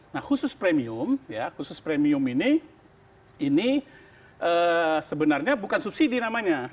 nah khusus premium ya khusus premium ini ini sebenarnya bukan subsidi namanya